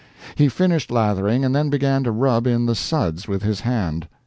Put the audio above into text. He finished lathering, and then began to rub in the suds with his hand.